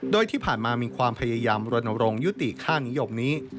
โดยที่ผ่านมามีความพยายามรณรงค์ยุติค่านิยมนี้